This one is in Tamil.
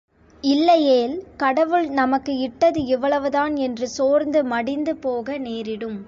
இல்லையேல், கடவுள் நமக்கு இட்டது இவ்வளவுதான் என்று சோர்ந்து மடிந்து போக நேரிடும்.